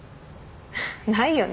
ないよね。